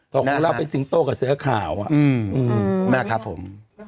แต่ของเราเป็นสิงโต้กับเสื้อขาวนะครับผม